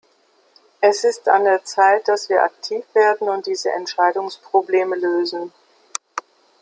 Es ist an der Zeit, dass wir aktiv werden und diese Entscheidungsprobleme lösen.